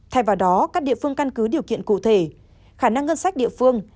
thay vào đó các địa phương căn cứ điều kiện cụ thể khả năng ngân sách địa phương